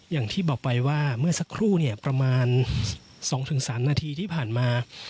อย่างที่บอกไปว่าเมื่อสักครู่เนี่ยประมาณ๒๓นาทีที่ผ่านมา